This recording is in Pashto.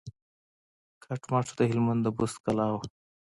کټ مټ د هلمند د بست کلا وه.